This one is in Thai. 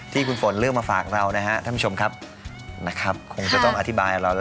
ที่คุณฝนเลือกมาฝากเรานะครับท่านผู้ชมครับนะครับคงจะต้องอธิบายกับเราแล้ว